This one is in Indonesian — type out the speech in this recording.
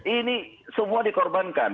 ini semua dikorbankan